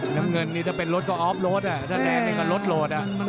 น้ำเงินนี่ถ้าเป็นรถก็ออฟโลดถ้าแดงนี่ก็รถโหลด